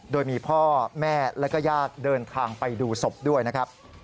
โดยมีพ่อแม่และก็ญาติเดินทางไปดูศพด้วยนะครับ